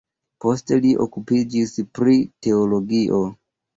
Poste li okupiĝis pri teologio.